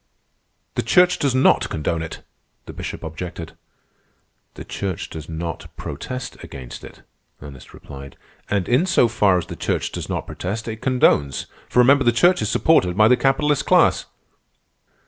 "The Church does not condone it," the Bishop objected. "The Church does not protest against it," Ernest replied. "And in so far as the Church does not protest, it condones, for remember the Church is supported by the capitalist class."